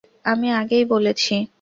আমি আগেই বলেছি।